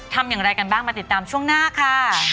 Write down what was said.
ทำอย่างไรกันบ้างมาติดตามช่วงหน้าค่ะ